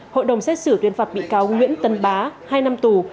hội đồng xét xử tuyên phạt bị cáo nguyễn tấn bá hai năm tù